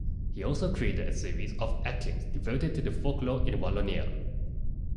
He also created a series of etchings devoted to the folklore in Wallonia.